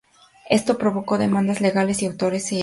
Esto provocó demandas legales de autores y editores.